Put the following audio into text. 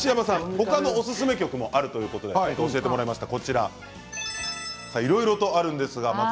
他のおすすめ曲もあるということで教えていただきました。